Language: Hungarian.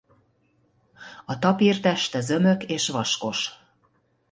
A tapír teste zömök és vaskos.